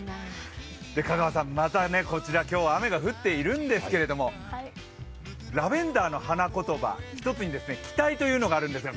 香川さん、またこちら雨が降っているんですけどもラベンダーの花言葉、一ついいですね、期待というのがあるんですよ。